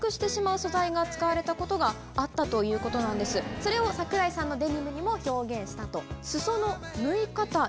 それを桜井さんのデニムにも表現したと。